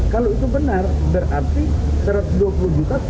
kalau itu benar berarti satu ratus dua puluh juta tambah tiga ratus delapan puluh juta